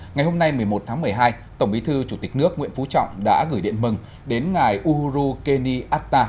ngày hôm nay một mươi một tháng một mươi hai tổng bí thư chủ tịch nước nguyễn phú trọng đã gửi điện mừng đến ngài uhuru keni atta